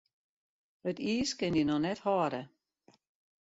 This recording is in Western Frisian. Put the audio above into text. It iis kin dy noch net hâlde.